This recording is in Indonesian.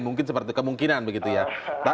mungkin seperti kemungkinan begitu ya